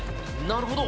なるほど。